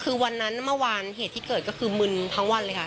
คือวันนั้นเมื่อวานเหตุที่เกิดก็คือมึนทั้งวันเลยค่ะ